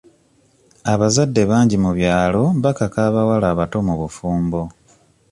Abazadde bangi mu byalo bakaka abawala abato mu bufumbo.